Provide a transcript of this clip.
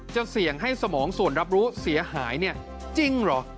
จะเสี่ยงให้สมองส่วนรับรู้เสียหายเนี่ยจริงเหรอ